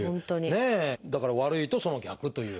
だから悪いとその逆という。